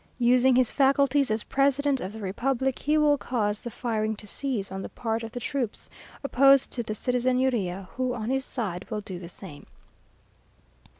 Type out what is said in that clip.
Using his faculties as president of the republic, he will cause the firing to cease on the part of the troops opposed to the citizen Urrea; who on his side will do the same.